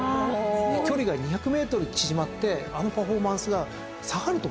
距離が２００ｍ縮まってあのパフォーマンスが下がるとも思えないので。